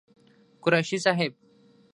قريشي صاحب